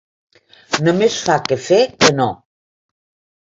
Només fa que fer que no.